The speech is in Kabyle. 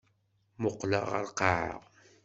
Mmuqqleɣ ɣer lqaɛa.